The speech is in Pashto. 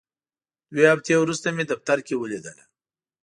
دوه هفتې وروسته مې دفتر کې ولیدله.